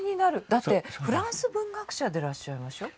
だってフランス文学者でいらっしゃいましょう？